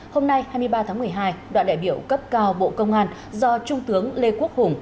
hôm nay hai mươi ba tháng một mươi hai đoàn đại biểu cấp cao bộ công an do trung tướng lê quốc hùng